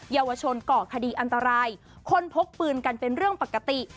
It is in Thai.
เยาวชนก่อคดีอันตรายคนพกปืนกันเป็นเรื่องปกติ